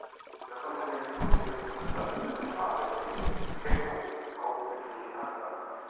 Das Unternehmen produziert und vertreibt unter der Marke "De Cecco" hauptsächlich Pasta.